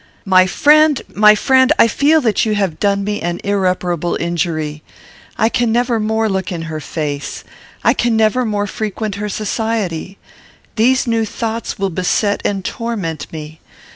"My friend! my friend! I feel that you have done me an irreparable injury. I can never more look her in the face. I can never more frequent her society. These new thoughts will beset and torment me.